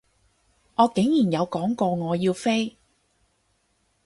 我竟然有講過我要飛？